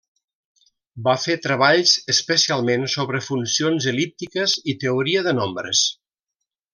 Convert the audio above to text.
Va fer treballs especialment sobre funcions el·líptiques i teoria de nombres.